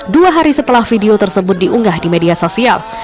dua hari setelah video tersebut diunggah di media sosial